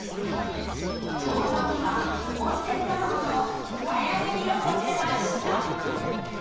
コバ丼には温泉卵と深谷ねぎを載せました。